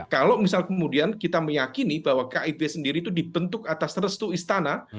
kalau misal kemudian kita meyakini bahwa kib sendiri itu dibentuk atas restu istana